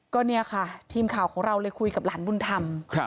ก็เนี่ยค่ะทีมข่าวของเราเลยคุยกับหลานบุญธรรม